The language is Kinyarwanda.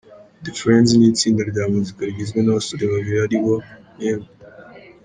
The Friends ni itsinda rya muzika rigizwe n’abasore babiri aribo: M.